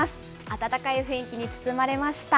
温かい雰囲気に包まれました。